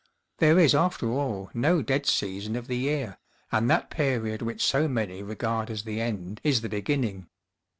There is after all no dead season of the year, and that period which so many regard as the end is the beginning.